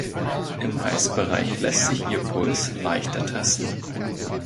Im Halsbereich lässt sich ihr Puls leicht ertasten.